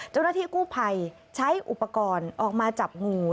เจ้าหน้าที่กู้ภัยใช้อุปกรณ์ออกมาจับงู